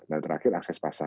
dan terakhir akses pasar